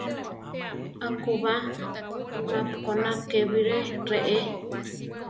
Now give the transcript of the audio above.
Akúba: mapu koná ké biré reé.